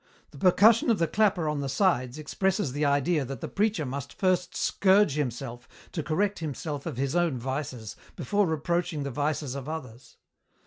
The percussion of the clapper on the sides expresses the idea that the preacher must first scourge himself to correct himself of his own vices before reproaching the vices of others.